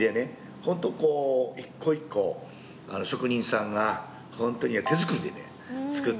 ホントこう一個一個職人さんが手作りでね作って。